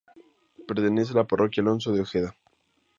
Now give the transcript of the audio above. Pertenece a la parroquia Alonso de Ojeda.